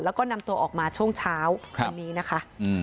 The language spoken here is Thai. แล้วก็นำตัวออกมาช่วงเช้าวันนี้นะคะ